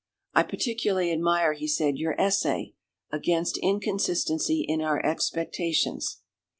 "I particularly admire," he said, "your essay, 'Against Inconsistency in our Expectations.